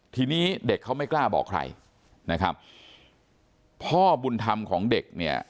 ทีนี้เด็กเขาไม่กล้าบอกใครพ่อบุญธรรมของเด็ก